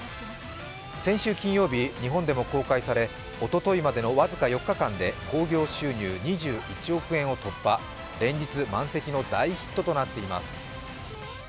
先週金曜日、日本でも公開され、おとといまでの僅か４日間で興行収入２１億円を突破、連日満席の大ヒットとなっています。